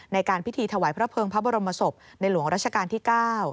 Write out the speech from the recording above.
ในการพิธีถวายพระเภิงพระบรมศพในหลวงราชการที่๙